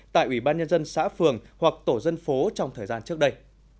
tại ủy ban nhân dân xã phường hoặc tổ dân phố trong thời gian trước đây